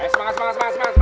semangat semangat semangat